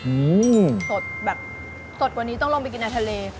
สดแบบสดกว่านี้ต้องลงไปกินในทะเล